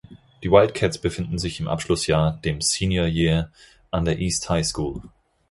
Die Wildcats befinden sich im Abschlussjahr, dem "Senior Year", an der East High School.